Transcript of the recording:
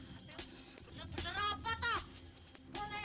boleh benar benar apa tuhan boleh